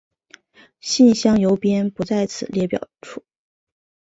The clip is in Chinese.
信箱邮编不在此表列出。